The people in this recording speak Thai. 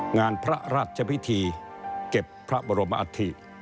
งานพระราชพิธีเก็บพระบรมอัฐิ